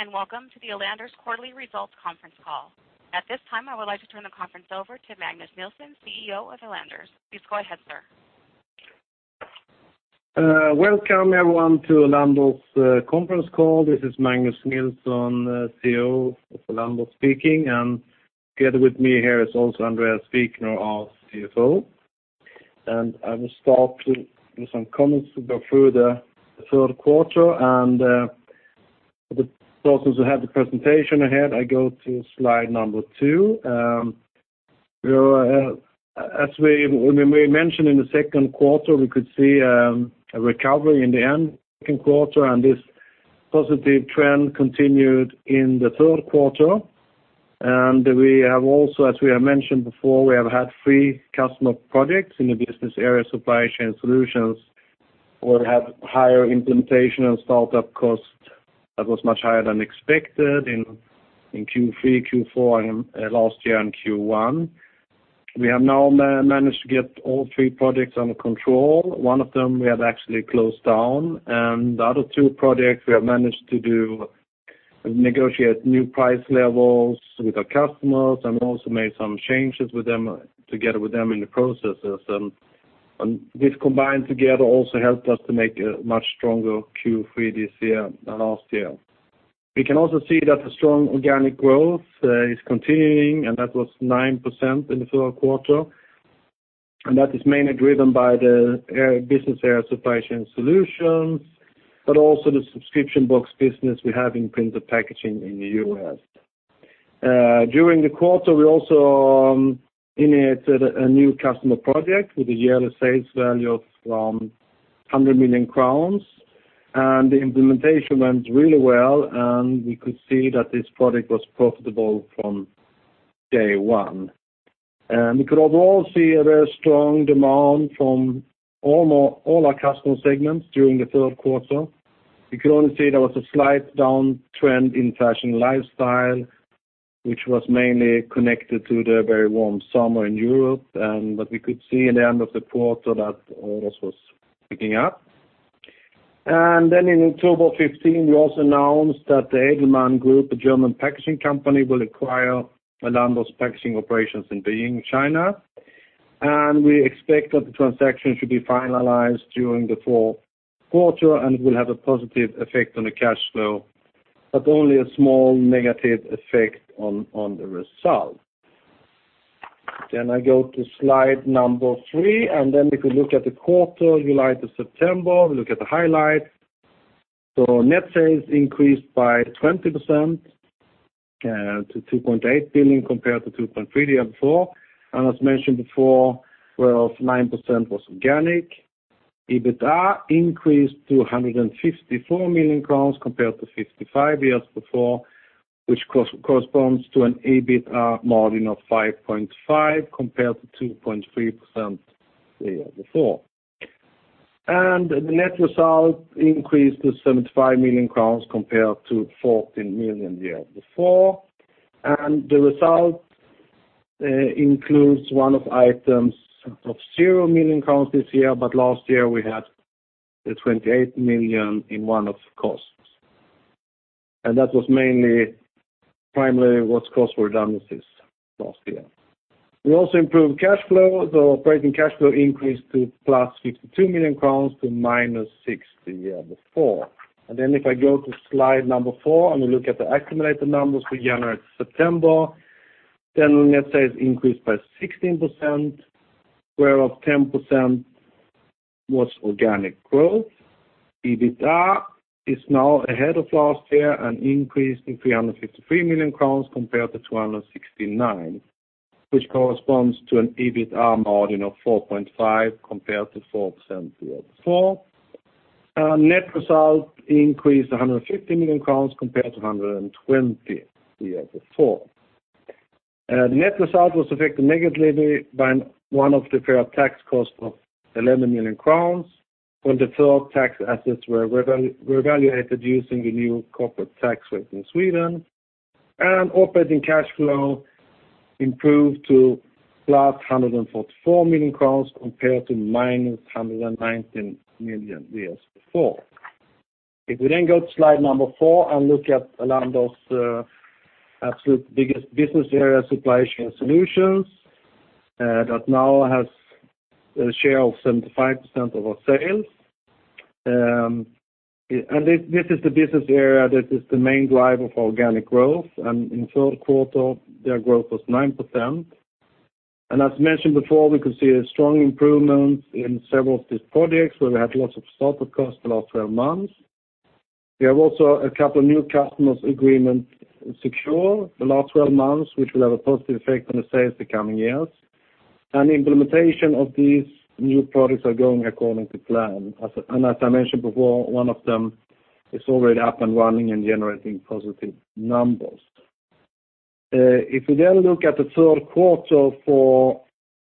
Good day, and welcome to the Elanders quarterly results conference call. At this time, I would like to turn the conference over to Magnus Nilsson, CEO of Elanders. Please go ahead, sir. Welcome everyone to Elanders conference call. This is Magnus Nilsson, CEO of Elanders speaking, and together with me here is also Andréas Wikner, our CFO. I will start with some comments to go through the Q3 and for the persons who have the presentation ahead, I go to slide number two. We are, as we when we mentioned in the Q2, we could see a recovery in the end Q2, and this positive trend continued in the Q3. We have also, as we have mentioned before, we have had three customer projects in the business area, Supply Chain Solutions, where we have higher implementation and startup cost that was much higher than expected in Q3, Q4, and last year in Q1. We have now managed to get all three projects under control. One of them we have actually closed down, and the other two projects, we have managed to do, negotiate new price levels with our customers and also made some changes with them, together with them in the processes. And this combined together also helped us to make a much stronger Q3 this year than last year. We can also see that the strong organic growth is continuing, and that was 9% in the Q3. And that is mainly driven by the business area Supply Chain Solutions, but also the subscription box business we have in printed packaging in the US. During the quarter, we also initiated a new customer project with a yearly sales value of 100 million crowns, and the implementation went really well, and we could see that this project was profitable from day one. We could overall see a very strong demand from all our customer segments during the Q3. We could only see there was a slight down trend in Fashion and Lifestyle, which was mainly connected to the very warm summer in Europe, and but we could see in the end of the quarter that orders was picking up. Then in 15 October, we also announced that the Edelmann Group, a German packaging company, will acquire Elanders packaging operations in Beijing, China. We expect that the transaction should be finalized during the fourth quarter and will have a positive effect on the cash flow, but only a small negative effect on the result. Then I go to slide number three, and then we can look at the quarter, July to September. We look at the highlights. So net sales increased by 20%, to 2.8 billion, compared to 2.3 billion the year before. And as mentioned before, well, 9% was organic. EBITDA increased to 154 million crowns compared to 55 million the year before, which corresponds to an EBITDA margin of 5.5%, compared to 2.3% the year before. And the net result increased to 75 million crowns compared to 14 million the year before. And the result includes one-off items of 0 million this year, but last year we had 28 million in one-off costs. And that was mainly, primarily costs related to redundancies last year. We also improved cash flow. The operating cash flow increased to +62 million crowns compared to -60 million the year before. And then if I go to slide number four, and we look at the accumulated numbers for January to September, then net sales increased by 16%, whereof 10% was organic growth. EBITDA is now ahead of last year, an increase in 353 million crowns compared to 269 million, which corresponds to an EBITDA margin of 4.5% compared to 4% the year before. Net result increased 150 million crowns compared to 120 million the year before. The net result was affected negatively by one-off deferred tax cost of 11 million crowns, when the deferred tax assets were re-evaluated using the new corporate tax rate in Sweden. And operating cash flow improved to +144 million crowns compared to -119 million the years before. If we then go to slide number four and look at Elanders, absolute biggest business area, Supply Chain Solutions, that now has a share of 75% of our sales. And this, this is the business area that is the main driver of organic growth, and in Q3, their growth was 9%. And as mentioned before, we could see a strong improvement in several of these projects, where we had lots of startup costs the last 12 months. We have also a couple of new customer agreements secured the last 12 months, which will have a positive effect on the sales the coming years. And the implementation of these new products are going according to plan. And as I mentioned before, one of them is already up and running and generating positive numbers. If we then look at the Q3 for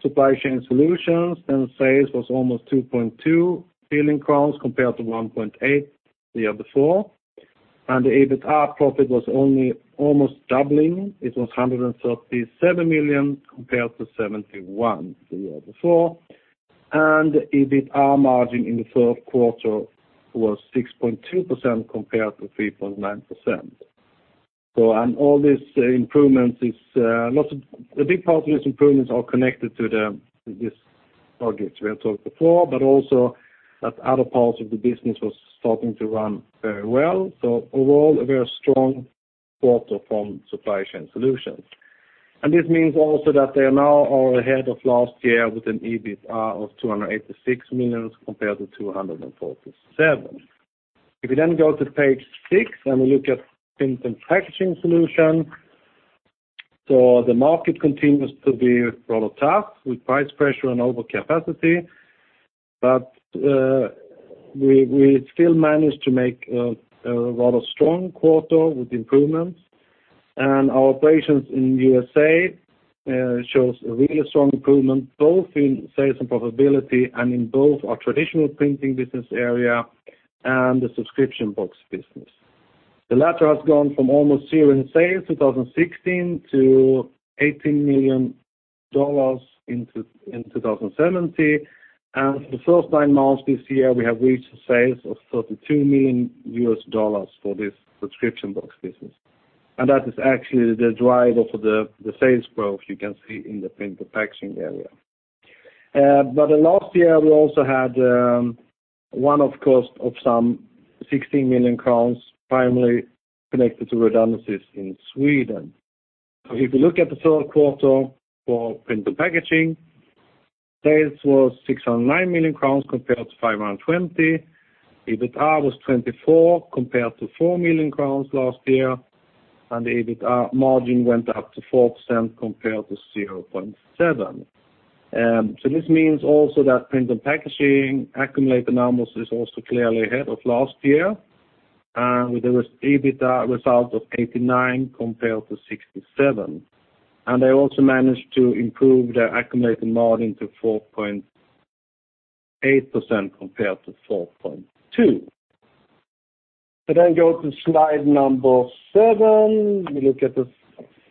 supply chain solutions, then sales was almost 2.2 billion crowns compared to 1.8 billion the year before. And the EBITDA profit was only almost doubling. It was 137 million compared to 71 million the year before. And EBITA margin in the Q3 was 6.2% compared to 3.9%. So and all these improvements is, a big part of these improvements are connected to the, this project we have talked before, but also that other parts of the business was starting to run very well. So overall, a very strong quarter from supply chain solutions. And this means also that they are now ahead of last year with an EBITA of 286 million compared to 247 million. If you then go to page six, and we look at Print & Packaging Solutions. So the market continues to be rather tough, with price pressure and overcapacity, but we still managed to make a rather strong quarter with improvements. And our operations in USA shows a really strong improvement, both in sales and profitability, and in both our traditional printing business area and the subscription box business. The latter has gone from almost zero in sales, 2016, to $18 million in 2017. And the first nine months this year, we have reached sales of $32 million for this subscription box business. And that is actually the driver for the sales growth you can see in the Print & Packaging Solutions area. But last year, we also had one-off costs of some 16 million crowns, primarily connected to redundancies in Sweden. So if you look at the Q3 for Print and Packaging, sales was 609 million crowns, compared to 520 million. EBITA was 24 million, compared to 4 million crowns last year, and the EBITA margin went up to 4%, compared to 0.7%. So this means also that Print and Packaging accumulated numbers is also clearly ahead of last year, and with an EBITA result of 89 million compared to 67 million. And they also managed to improve their accumulated margin to 4.8% compared to 4.2%. So then go to slide number seven. We look at the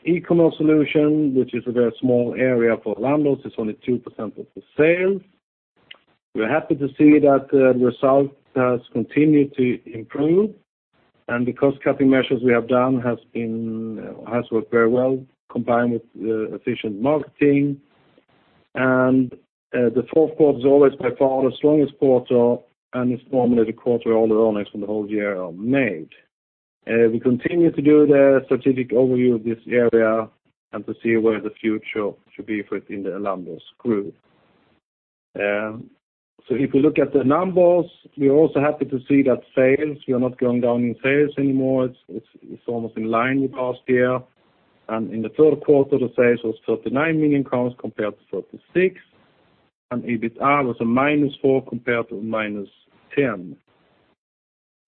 E-commerce Solution, which is a very small area for Elanders. It's only 2% of the sales. We're happy to see that, the result has continued to improve, and the cost-cutting measures we have done has been, has worked very well, combined with, efficient marketing. And, the fourth quarter is always by far the strongest quarter, and it's normally the quarter where all the earnings from the whole year are made. We continue to do the strategic overview of this area and to see where the future should be fit in the Elanders Group. So if you look at the numbers, we're also happy to see that sales, we are not going down in sales anymore. It's almost in line with last year. And in the Q3, the sales was 39 million compared to 36, and EBITA was a -4 compared to -10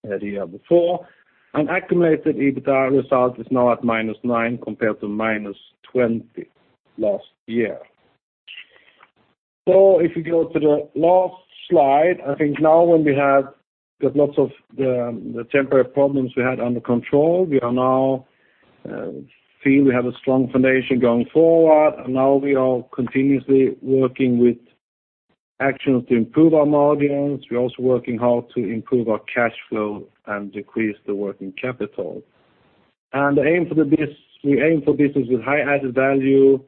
the year before. Accumulated EBITA result is now at -9, compared to -20 last year. So if you go to the last slide, I think now when we have got lots of the temporary problems we had under control, we are now feel we have a strong foundation going forward, and now we are continuously working with actions to improve our margins. We're also working hard to improve our cash flow and decrease the working capital. We aim for business with high added value.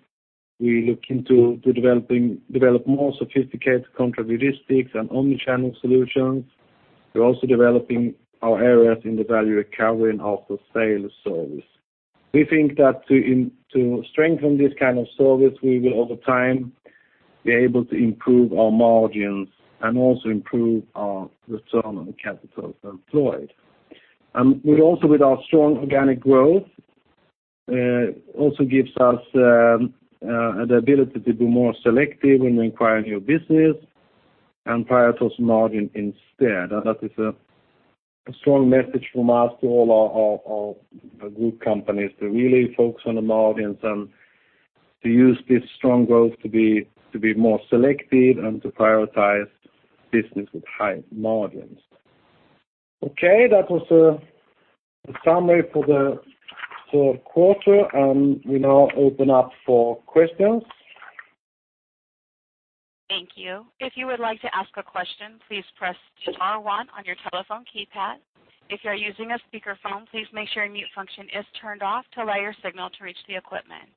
We look into developing more sophisticated contract logistics and omni-channel solutions. We're also developing our areas in the value recovery and after-sales service. We think that to strengthen this kind of service, we will, over time, be able to improve our margins and also improve our return on the capital employed. We also, with our strong organic growth, also gives us the ability to be more selective when acquiring new business and prioritize margin instead. And that is a strong message from us to all our group companies, to really focus on the margins and to use this strong growth to be more selective and to prioritize business with high margins. Okay, that was the summary for the Q3, and we now open up for questions. Thank you. If you would like to ask a question, please press star one on your telephone keypad. If you are using a speakerphone, please make sure your mute function is turned off to allow your signal to reach the equipment.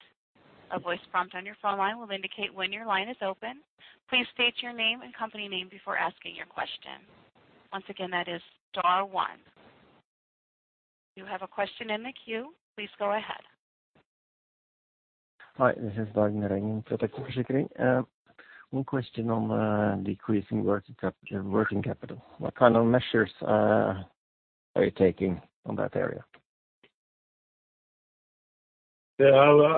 A voice prompt on your phone line will indicate when your line is open. Please state your name and company name before asking your question. Once again, that is star one. You have a question in the queue. Please go ahead. Hi, this is [inaudible] from Tryg Forsikring. One question on decreasing working capital, working capital. What kind of measures are you taking on that area? Yeah,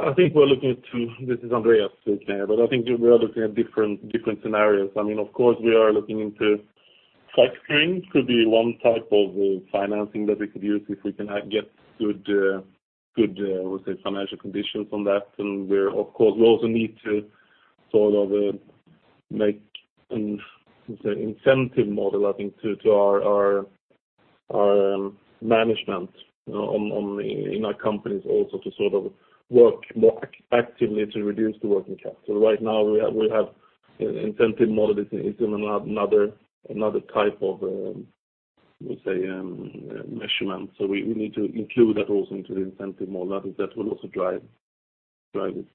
I think we're looking to, this is Andreas speaking here, but I think we are looking at different scenarios. I mean, of course, we are looking into factoring, could be one type of financing that we could use if we can get good financial conditions on that. And we're, of course, we also need to sort of make an, let's say, incentive model, I think, to our management, you know, in our companies also to sort of work more actively to reduce the working capital. Right now, we have incentive model is another type of, let me say, measurement. So we need to include that also into the incentive model that will also drive it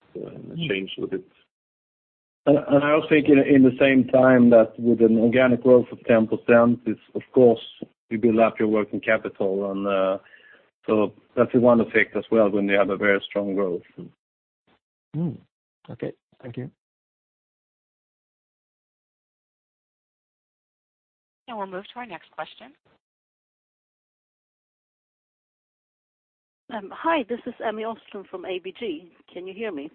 change with it. I also think in the same time that with an organic growth of 10%, it's of course you build up your working capital, and so that's one effect as well, when you have a very strong growth. Mm. Okay. Thank you. We'll move to our next question. Hi, this is Emmy Öström from ABG. Can you hear me?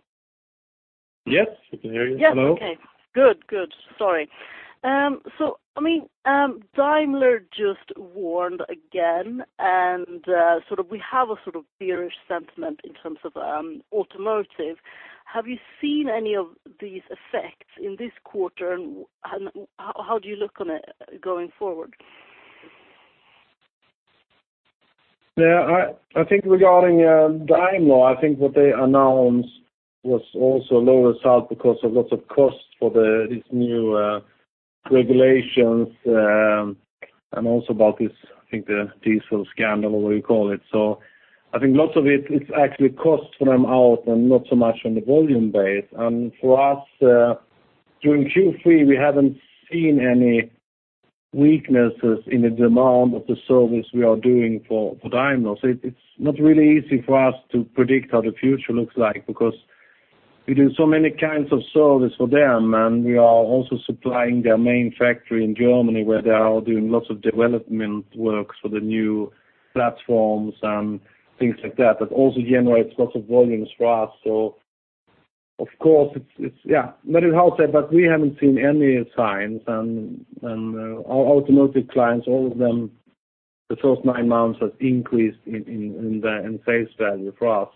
Yes, we can hear you. Yes. Hello. Okay, good. Good. Sorry. So, I mean, Daimler just warned again, and sort of we have a sort of bearish sentiment in terms of automotive. Have you seen any of these effects in this quarter, and how, how do you look on it going forward? Yeah, I think regarding Daimler, I think what they announced was also a lower result because of lots of costs for these new regulations, and also about this, I think, the diesel scandal or what you call it. So I think lots of it, it's actually costs for them and not so much on the volume base. And for us, during Q3, we haven't seen any weaknesses in the demand of the service we are doing for Daimler. So it's not really easy for us to predict how the future looks like, because we do so many kinds of service for them, and we are also supplying their main factory in Germany, where they are doing lots of development works for the new platforms and things like that, that also generates lots of volumes for us. So of course, it's yeah, very hard, but we haven't seen any signs and our automotive clients, all of them, the first nine months has increased in the sales value for us,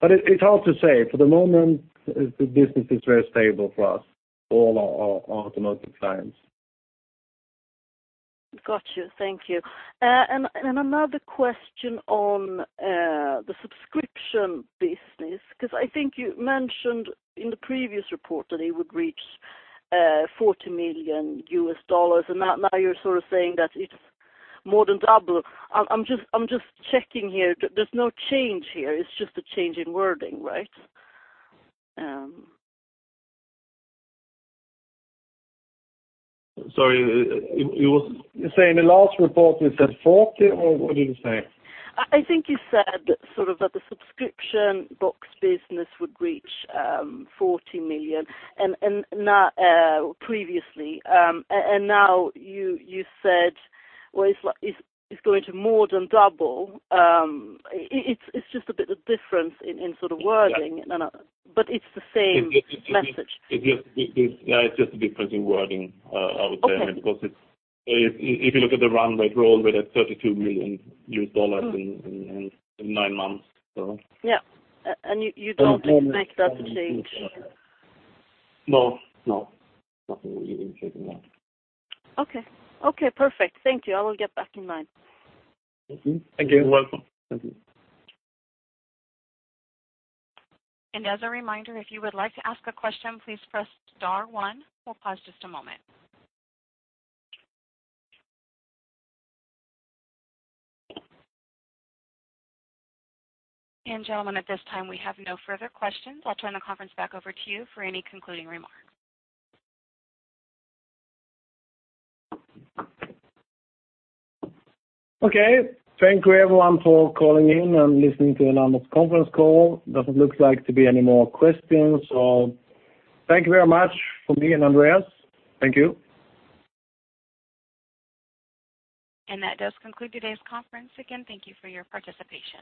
so. But it's hard to say. For the moment, the business is very stable for us, all our automotive clients. Got you. Thank you. And another question on the subscription business, because I think you mentioned in the previous report that it would reach $40 million, and now you're sort of saying that it's more than double. I'm just checking here. There's no change here, it's just a change in wording, right? Sorry, you say in the last report, we said 40, or what did you say? I think you said sort of that the subscription box business would reach 40 million, and now you said, well, it's like, it's going to more than double. It's just a bit of difference in sort of wording. Yeah. But it's the same message. It's just a difference in wording, yeah, I would say. Okay. Because it's, if you look at the run rate, we're already at $32 million. Mm. In nine months, so. Yeah, and you don't. And then. Expect that to change? No, no, nothing will change in that. Okay. Okay, perfect. Thank you. I will get back in line. Thank you. You're welcome. Thank you. And as a reminder, if you would like to ask a question, please press star one. We'll pause just a moment. And gentlemen, at this time, we have no further questions. I'll turn the conference back over to you for any concluding remarks. Okay. Thank you, everyone, for calling in and listening to Elanders conference call. Doesn't look like to be any more questions, so thank you very much from me and Andréas. Thank you. That does conclude today's conference. Again, thank you for your participation.